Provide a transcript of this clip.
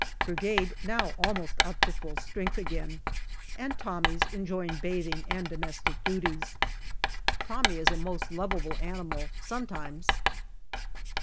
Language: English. Brigade now almost up to full strength again, and Tommies enjoying bathing and domestic duties. Tommy is a most lovable animal sometimes.